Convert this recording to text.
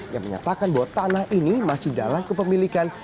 yang menyatakan bahwa tanah ini masih dalam kepemilikan